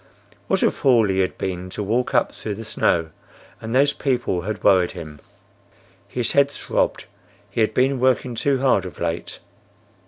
What a fool he had been to walk up through the snow! And those people had worried him! His head throbbed. He had been working too hard of late.